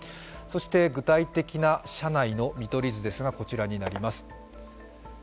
具体的な車内の見取り図ですが、こちらになります。